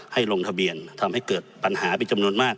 ลงทะเบียนทำให้เกิดปัญหาเป็นจำนวนมาก